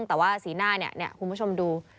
แต่ว่าสีหน้าเนี่ยคุณผู้ชมดู